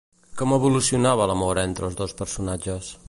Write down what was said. Com evolucionava l'amor entre els dos personatges?